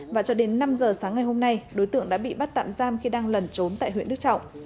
và cho đến năm giờ sáng ngày hôm nay đối tượng đã bị bắt tạm giam khi đang lẩn trốn tại huyện đức trọng